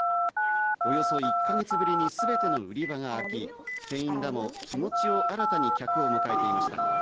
およそ１か月ぶりにすべての売り場が開き、店員らも気持ちを新たに客を迎えていました。